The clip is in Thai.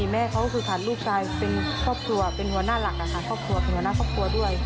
แม่เขาก็คือผ่านลูกชายเป็นครอบครัวเป็นหัวหน้าหลักนะคะครอบครัวเป็นหัวหน้าครอบครัวด้วย